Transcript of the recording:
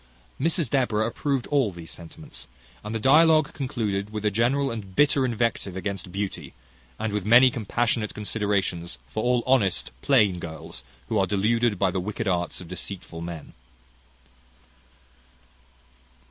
Mrs Deborah approved all these sentiments, and the dialogue concluded with a general and bitter invective against beauty, and with many compassionate considerations for all honest plain girls who are deluded by the wicked arts of deceitful men.